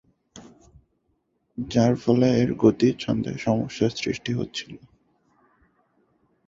যার ফলে এর গতি ছন্দে সমস্যার সৃষ্টি হচ্ছিলো।